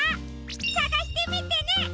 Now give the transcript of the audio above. さがしてみてね！